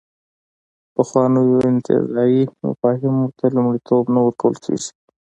پخوانیو انتزاعي مفاهیمو ته لومړیتوب نه ورکول کېږي.